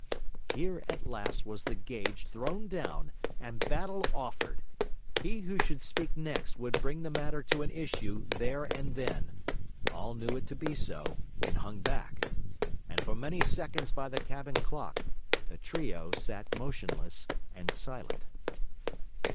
Here at least was the gage thrown down, and battle offered; he who should speak next would bring the matter to an issue there and then; all knew it to be so and hung back; and for many seconds by the cabin clock, the trio sat motionless and silent.